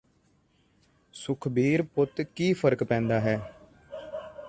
ਸੁਖਬੀਰ ਪੁੱਤ ਕੀ ਫ਼ਰਕ ਪੈਂਦਾ ਹੈ